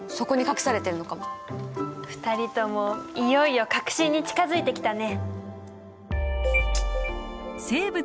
２人ともいよいよ核心に近づいてきたね！